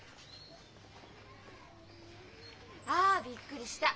あびっくりした！